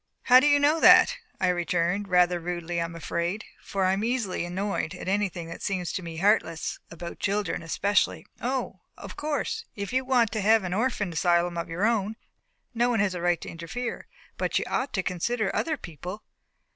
"How do you know that?" I returned rather rudely, I am afraid, for I am easily annoyed at anything that seems to me heartless about children especially. "O! of course, if you want to have an orphan asylum of your own, no one has a right to interfere. But you ought to consider other people."